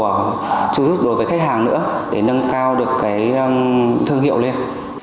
và chujuis đối với khách hàng nữa để nâng cao được cái thương hiệu lên